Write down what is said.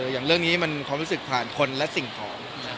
อย่างเรื่องนี้มันความรู้สึกผ่านคนและสิ่งของ